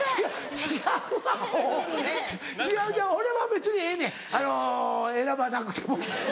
違う違う俺は別にええねん選ばなくても。